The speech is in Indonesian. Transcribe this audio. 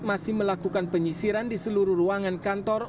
masih melakukan penyisiran di seluruh ruangan kantor